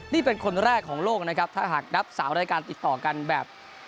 นี่เป็นคนแรกของโลกนะครับถ้าหากนับ๓รายการติดต่อกันแบบ